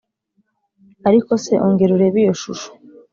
ariko se, ongera urebe iyo shusho.